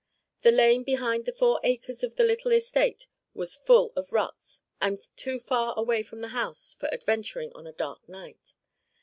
The lane behind the four acres of the little estate was full of ruts and too far away from the house for adventuring on a dark night.